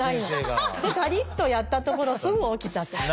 ガリッとやったところすぐ起きたと。